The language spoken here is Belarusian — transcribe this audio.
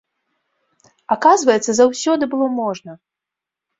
Аказваецца, заўсёды было можна!